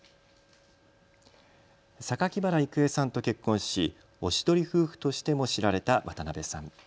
榊原郁恵さんと結婚しおしどり夫婦としても知られた渡辺さん。